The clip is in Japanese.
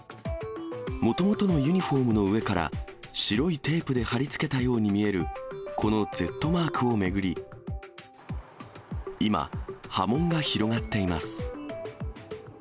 もともとのユニホームの上から、白いテープで貼り付けたように見える、このＺマークを巡り、今、波紋が広がっています。